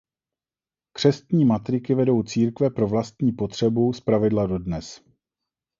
Křestní matriky vedou církve pro vlastní potřebu zpravidla dodnes.